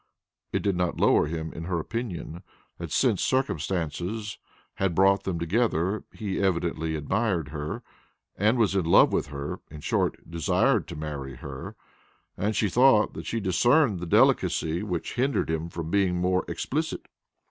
It did not lower him in her opinion that since circumstances had brought them together he evidently admired her was in love with her in short, desired to marry her; and she thought that she discerned the delicacy which hindered him from being more explicit.